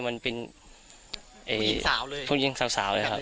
มันเป็นผู้หญิงสาวเลยครับ